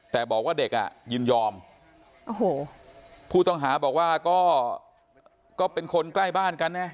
แต่บอกว่าเด็กยินยอมผู้ต้องหาบอกว่าก็เป็นคนใกล้บ้านกันเนี่ย